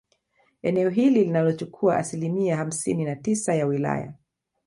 Eneo hili linalochukua asilimia hamsini na tisa ya wilaya